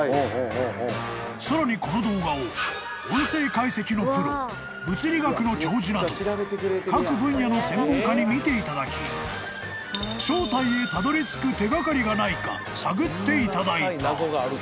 ［さらにこの動画を音声解析のプロ物理学の教授など各分野の専門家に見ていただき正体へたどりつく手掛かりがないか探っていただいた］